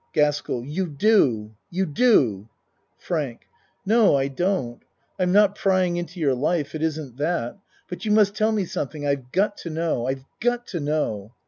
GASKELL You do you do. FRANK No. I don't. I I'm not prying into your life. It isn't that. But you must tell me something. I've got to know. I've got to know.